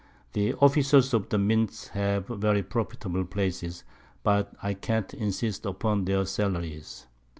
The Officers of the Mint have very profitable Places, but I can't insist upon their Sallaries.